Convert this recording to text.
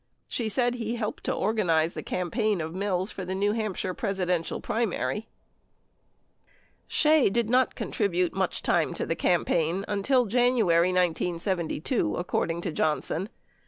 She said he helped to organize the campaign of Mills for the New Hampshire Presidential primary. Shea did not contribute much time to the campaign until January, 1972, according to Johnson.